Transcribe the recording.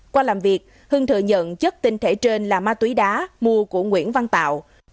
qua làm việc hưng thừa nhận chất tinh thể trên là ma túy đá mua của nguyễn văn tạo